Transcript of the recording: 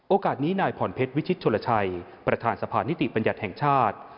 โอกาสนี้นายผ่อนเพชรวิชิตชนลชัยประธานสภานิติบัญญัติแห่งชาติ